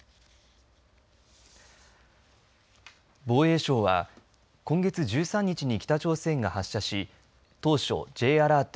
防衛省は今月１３日に北朝鮮が発射し当初Ｊアラート